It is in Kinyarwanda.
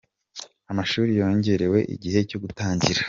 Amashuri yongererewe igihe cyogutangira